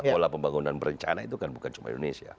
pola pembangunan berencana itu kan bukan cuma indonesia